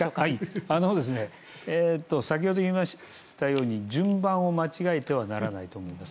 先ほど言いましたように順番を間違えてはならないと思います。